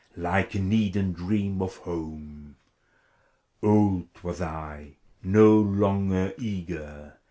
Like an Eden dream of home! Old was I, no longer eager.